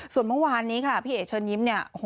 ส่วนเมื่อวานนี้ค่ะพี่เอกเชิญยิ้มเนี่ย